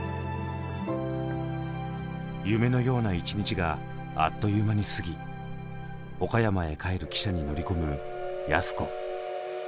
夢のような一日があっという間に過ぎ岡山へ帰る汽車に乗り込む安子。